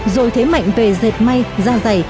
rồi thế mạnh về dệt may da dày